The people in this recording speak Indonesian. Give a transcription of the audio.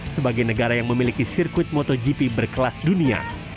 sebagai negara yang memiliki sirkuit motogp berkelas dunia